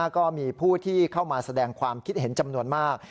ก็มีผู้ที่เข้ามาแสดงความคิดเห็นจำนวนมาก